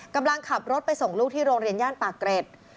กำลังขับรถไปส่งลูกที่โรงเรียนย่านปากเกร็ด